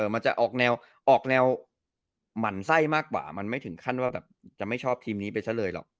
มันจะออกแนวออกแนวหมั่นไส้มากกว่ามันไม่ถึงขั้นว่าแบบจะไม่ชอบทีมนี้ไปซะเลยหรอก